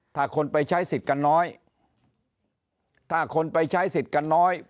ถ้าคนไปใช้สิทธิ์กันน้อยถ้าคนไปใช้สิทธิ์กันน้อย